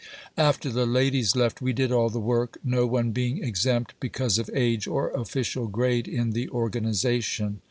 After the ladies left, we did all the work, no LIFE AT KENNEDY FARM. 25 one being exempt, because of age or official grade in the or ganization.